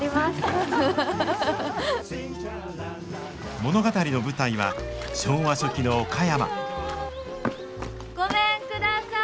物語の舞台は昭和初期の岡山ごめんください。